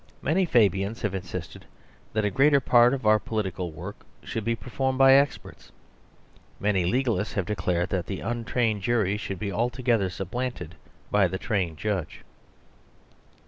Many Fabians have insisted that a greater part of our political work should be performed by experts. Many legalists have declared that the untrained jury should be altogether supplanted by the trained Judge.